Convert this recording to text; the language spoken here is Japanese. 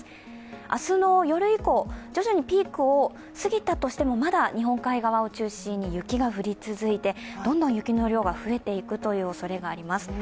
明日の夜以降、徐々にピークを過ぎたとしてもまだ日本海側を中心に雪が降り続いてどんどん雪の量が増えていくおそれがあります。